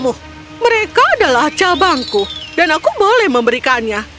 mereka adalah cabangku dan aku boleh memberikannya